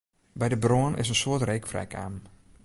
By de brân is in soad reek frijkaam.